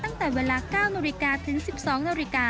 ตั้งแต่เวลา๙นถึง๑๒น